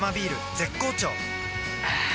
絶好調